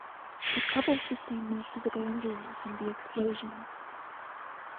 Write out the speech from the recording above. The couple sustained no physical injuries from the explosion.